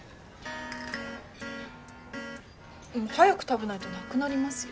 早く食べないとなくなりますよ？